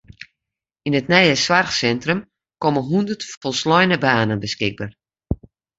Yn it nije soarchsintrum komme hûndert folsleine banen beskikber.